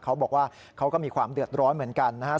เขาบอกว่าเขาก็มีความเดือดร้อนเหมือนกันนะครับ